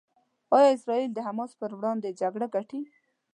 ایا اسرائیل د حماس پر وړاندې جګړه ګټي؟